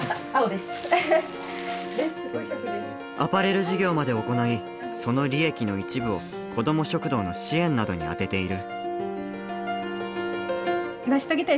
アパレル事業まで行いその利益の一部を子ども食堂の支援などに充てている。